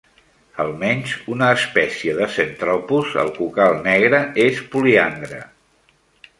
Almenys una espècie de "Centropus", el cucal negre, és poliandre.